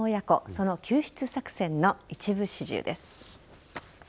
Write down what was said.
その救出作戦の一部始終です。